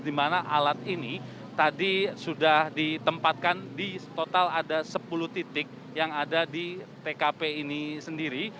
di mana alat ini tadi sudah ditempatkan di total ada sepuluh titik yang ada di tkp ini sendiri